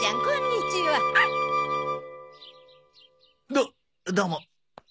どどうも。